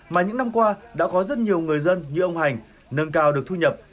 mà những năm qua đã có rất nhiều người dân như ông hành nâng cao được thu nhập